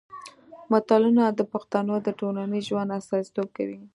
متلونه د پښتنو د ټولنیز ژوند استازیتوب کوي